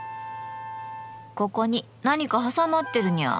ここに何か挟まってるニャー。